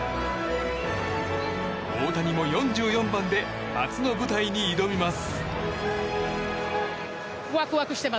大谷も４４番で初の舞台に挑みます。